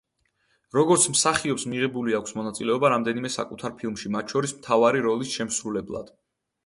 როგორც მსახიობს მიღებული აქვს მონაწილეობა რამდენიმე საკუთარ ფილმში, მათ შორის მთავარი როლების შემსრულებლად.